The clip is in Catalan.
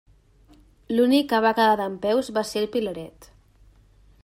L'únic que va quedar dempeus va ser el pilaret.